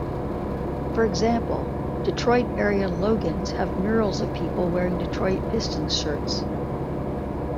For example, Detroit area Logan's have murals of people wearing Detroit Pistons shirts.